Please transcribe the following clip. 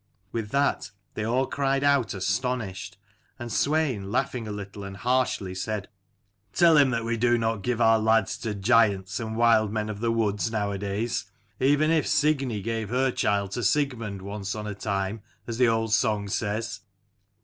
With that they all cried out astonished, and Swein laughing a little and harshly, said, "Tell him that we do not give our lads to giants and wild men of the woods nowadays, even if Signy gave her child to Sigmund once on a time, as the old song says."